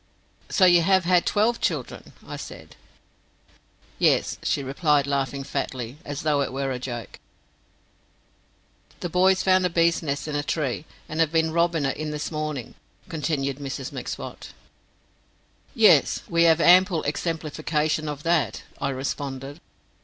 "So you have had twelve children?" I said. "Yes," she replied, laughing fatly, as though it were a joke. "The boys found a bees' nest in a tree an' have been robbin' it the smornin'," continued Mrs M'Swat. "Yes; we have ample exemplification of that," I responded.